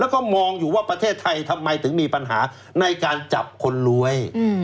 แล้วก็มองอยู่ว่าประเทศไทยทำไมถึงมีปัญหาในการจับคนรวย